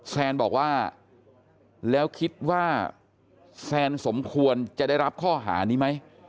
แซนบอกว่าแล้วคิดว่าแซนสมควรจะได้รับข้อหานี้ไหม